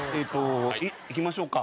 「いきましょうか」